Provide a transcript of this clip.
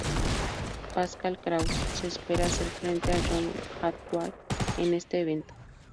Pascal Krauss se espera hacer frente a John Hathaway en este evento.